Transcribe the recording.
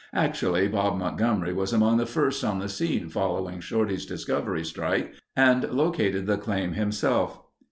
Actually Bob Montgomery was among the first on the scene following Shorty's discovery strike and located the claim himself.